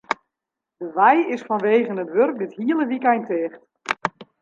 De wei is fanwegen it wurk dit hiele wykein ticht.